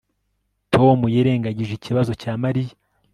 Tom yirengagije ikibazo cya Mariya